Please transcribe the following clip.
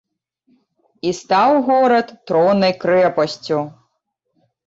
І стаў горад троннай крэпасцю.